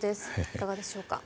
いかがでしょうか。